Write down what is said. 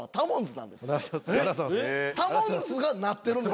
タモンズがなってるんです。